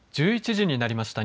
１１時になりました。